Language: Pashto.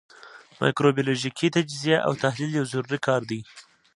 مایکروبیولوژیکي تجزیه او تحلیل یو ضروري کار دی.